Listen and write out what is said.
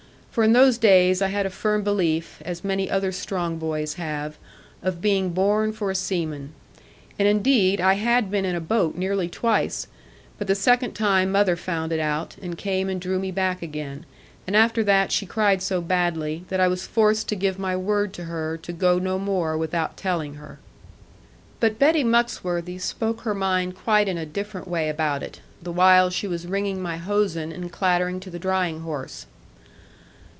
For in those days I had a firm belief, as many other strong boys have, of being born for a seaman. And indeed I had been in a boat nearly twice; but the second time mother found it out, and came and drew me back again; and after that she cried so badly, that I was forced to give my word to her to go no more without telling her. But Betty Muxworthy spoke her mind quite in a different way about it, the while she was wringing my hosen, and clattering to the drying horse.